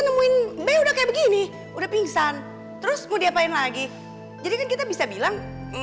nemuin may udah kayak begini udah pingsan terus mau diapain lagi jadi kan kita bisa bilang